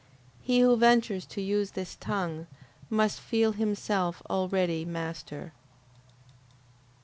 He who ventures to use this tongue, must feel himself already master.